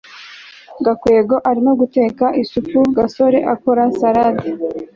gakwego arimo guteka isupu na gasore akora salade